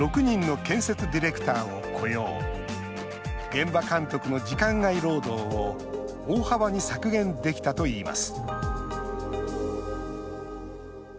現場監督の時間外労働を大幅に削減できたといいます